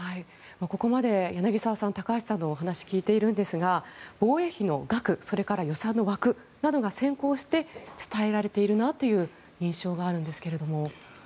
ここまで柳澤さん高橋さんのお話を聞いているんですが防衛費の額それから予算の枠などが先行して伝えられているなという印象があるんですけれども。